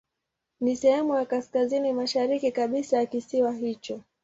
Ni sehemu ya kaskazini mashariki kabisa ya kisiwa hicho.